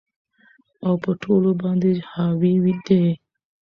او په ټولو باندي حاوي دى